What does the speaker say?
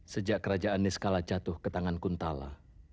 sejak kerajaan neskala jatuh ke tangan kuntala